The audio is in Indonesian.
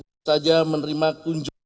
dpr ri baru saja menerima kunjungan